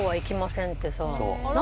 ってさ何？